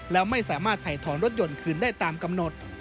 แล้วไม่สามารถถ่ายถอนรถยนต์คืนได้ตามกำหนด